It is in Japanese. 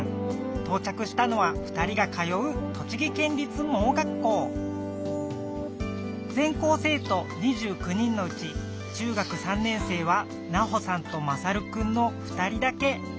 とうちゃくしたのは２人が通う全校生徒２９人のうち中学３年生はナホさんとマサルくんの２人だけ。